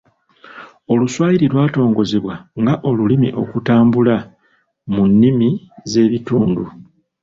Oluswayiri lwatongozebwa nga olulimi okutabula mu nnimi z’ebitundu.